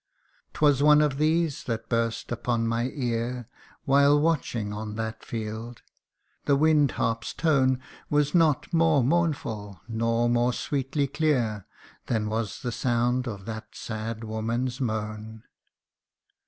'Twas one of these that burst upon my ear While watching on that field : the wind harp's tone Was not more mournful, nor more sweetly clear, Than was the sound of that sad woman's moan.